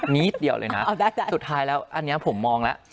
นิดเดียวเลยนะสุดท้ายแล้วอันนี้ผมมองแล้ว